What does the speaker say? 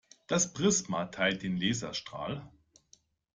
Das Prisma teilt den Laserstrahl.